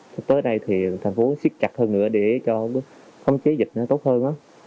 sắp tới đây thì thành phố siết chặt hơn nữa để cho phóng chế dịch nó tốt hơn